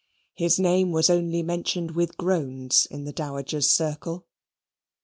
His name was only mentioned with groans in the dowager's circle.